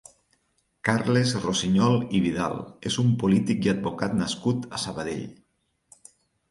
Carles Rossinyol i Vidal és un polític i advocat nascut a Sabadell.